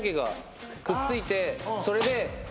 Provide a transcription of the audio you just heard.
それで。